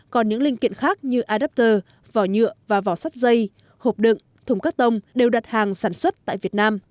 còn những linh kiện khác như iraqtor vỏ nhựa và vỏ sắt dây hộp đựng thùng các tông đều đặt hàng sản xuất tại việt nam